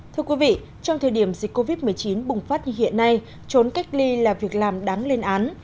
thưa quý vị trong thời điểm dịch covid một mươi chín bùng phát như hiện nay trốn cách ly là việc làm đáng lên án